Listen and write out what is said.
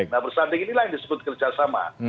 nah bersanding inilah yang disebut kerjasama